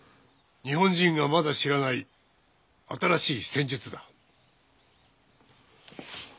日本人がまだ知らない新しい戦術だ。